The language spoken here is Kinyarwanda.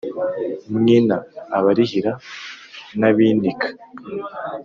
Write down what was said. mwina abarihira n' abinika